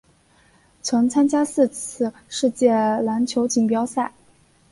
曾参加四次世界篮球锦标赛。